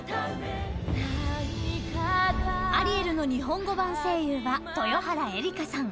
アリエルの日本語版声優は豊原江理佳さん。